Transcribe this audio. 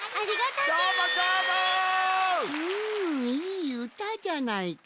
うんいいうたじゃないか！